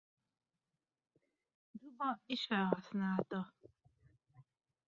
Juba is felhasználta.